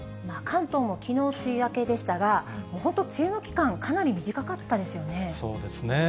関東もきのう梅雨明けでしたが、本当、梅雨の期間、かなり短かっそうですね。